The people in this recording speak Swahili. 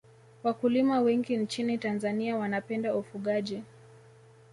Wakulima wengi nchini tanzania wanapenda ufugaji